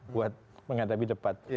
buat menghadapi debat